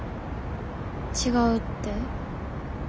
違うって？